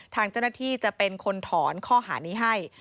ทางเจ้าหน้าที่จะเป็นคนถอนข้อหานี้ให้